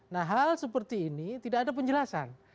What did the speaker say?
nah hal seperti ini tidak ada penjelasan